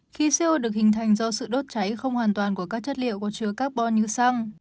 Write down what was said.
khi co được hình thành do sự đốt cháy không hoàn toàn của các chất liệu có chứa carbon như xăng